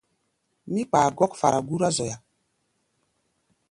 Mí kpaa gɔ́k fara gúrá zoya.